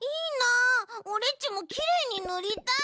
オレっちもきれいにぬりたい！